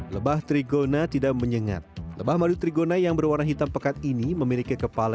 lebah trigona tidak menyengat lebah madu trigona yang berwarna hitam pekat ini memiliki kepala